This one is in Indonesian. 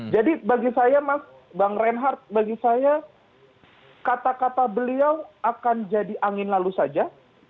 jadi bagi saya bang reinhardt kata kata beliau akan jadi angin lalu saja